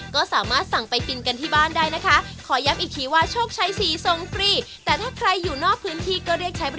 ก็มาได้อยู่โชคชัย๔ของเดือนครับ